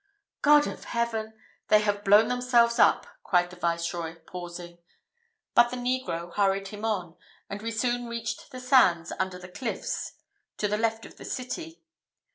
"God of heaven! they have blown themselves up!" cried the Viceroy, pausing; but the negro hurried him on, and we soon reached the sands under the cliffs to the left of the city.